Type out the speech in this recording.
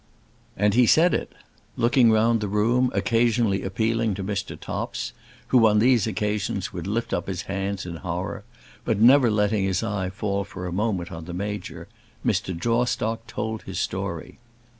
And he said it. Looking round the room, occasionally appealing to Mr. Topps, who on these occasions would lift up his hands in horror, but never letting his eye fall for a moment on the Major, Mr. Jawstock told his story.